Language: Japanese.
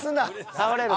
倒れるぞ。